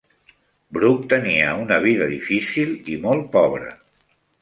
Brooke tenia una vida difícil i molt pobra.